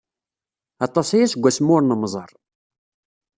Aṭas aya seg wasmi ur nemmẓer.